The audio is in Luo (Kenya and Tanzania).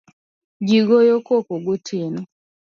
Jii goyo koko gotieno